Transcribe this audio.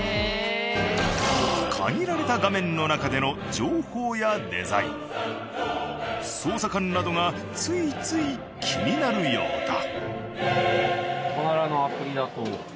限られた画面の中での情報やデザイン操作感などがついつい気になるようだ。